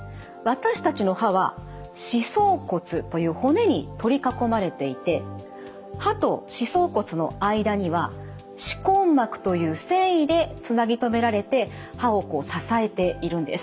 私たちの歯は歯槽骨という骨に取り囲まれていて歯と歯槽骨の間には歯根膜という線維でつなぎ止められて歯を支えているんです。